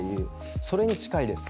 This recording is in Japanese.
それに近いです。